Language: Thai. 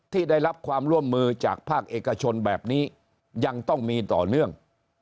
ที่ได้รับความร่วมมือจากภาคเอกชนแบบนี้ยังต้องมีต่อเนื่อง